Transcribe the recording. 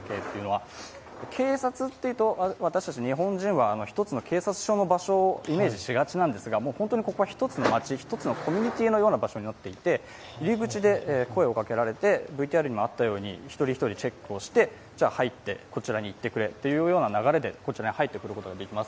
警察っていうと、私たち日本人は一つの警察署の場所をイメージしがちなんですが、ここは１つの街、１つのコミュニティーのような場所になっていて入り口で声をかけられて、ＶＴＲにもあったように一人一人チェックをして、入って、こちらに行ってくれという流れでこちらに入ってくることができます。